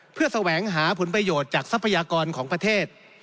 เพื่อแสวงหาผลประโยชน์จากทรัพยากรของประเทศ